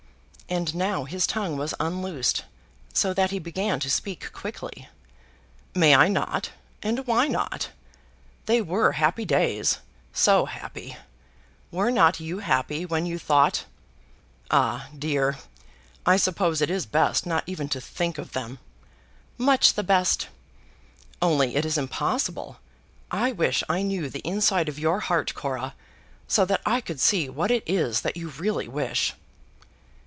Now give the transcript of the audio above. And now his tongue was unloosed, so that he began to speak quickly. "May I not? And why not? They were happy days, so happy! Were not you happy when you thought ? Ah, dear! I suppose it is best not even to think of them?" "Much the best." "Only it is impossible. I wish I knew the inside of your heart, Cora, so that I could see what it is that you really wish."